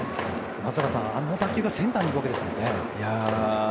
松坂さん、あの打球がセンターに行くわけですからね。